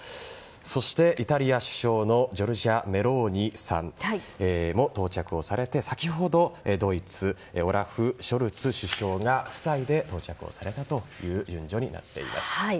そしてイタリア首相のメローニさんも到着されて、先ほどドイツのオラフ・ショルツ首相が夫妻で到着をされたという順序になっています。